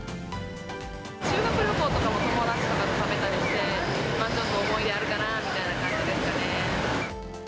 修学旅行とかでも友達とかと食べたりして、ちょっと思い出あるかなみたいな感じですよね。